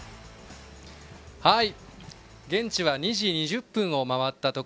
現地は２時２０分を回りました。